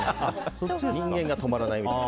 人間が止まらないみたいな。